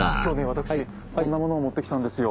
私こんなものを持ってきたんですよ。